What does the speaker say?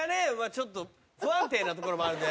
ちょっと不安定なところもあるんで。